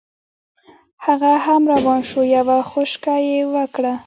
هغه هم روان شو یوه خوشکه یې وکړه.